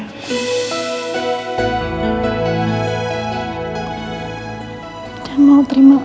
aku ingin berbohong